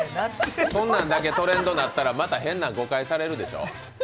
そんなんだけトレンドになったら誤解されるでしょ？